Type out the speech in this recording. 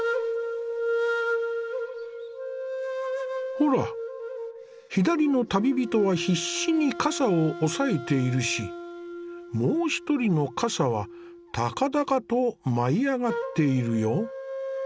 ほら左の旅人は必死に笠を押さえているしもう一人の笠は高々と舞い上がっているよ。